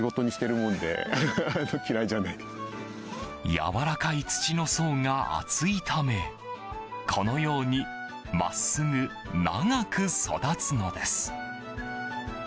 やわらかい土の層が厚いためこのように真っすぐ長く育つのです。